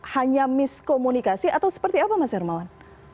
hanya miskomunikasi atau seperti apa mas hermawan